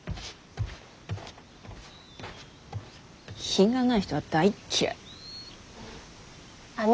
品がない人は大っ嫌い。